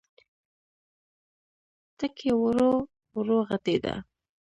ټکی ورو، ورو غټېده.